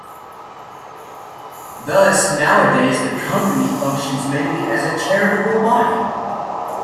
Thus nowadays the Company functions mainly as a charitable body.